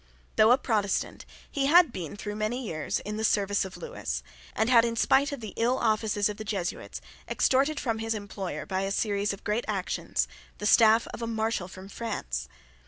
Though a Protestant, he had been, during many years, in the service of Lewis, and had, in spite of the ill offices of the Jesuits, extorted from his employer, by a series of great actions, the staff of a Marshal of France.